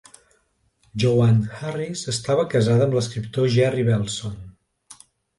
Jo Ann Harris estava casada amb l'escriptor Jerry Belson.